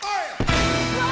うわ！